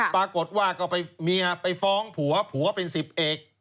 ปรากฏว่าก็ไปเมียไปฟ้องผัวผัวเป็นสิบเอก